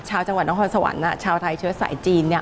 ชาวจังหวัดนครสวรรค์ชาวไทยเชิดสายจีน